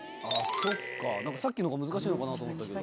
そっかさっきのが難しいのかなと思ったけど。